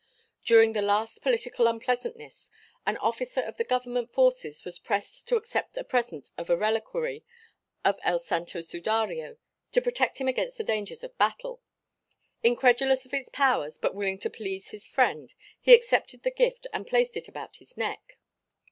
During the last political unpleasantness an officer of the government forces was pressed to accept a present of a reliquary of El Santo Sudario to protect him against the dangers of battle incredulous of its power but willing to please his friend he accepted the gift and placed it about his neck.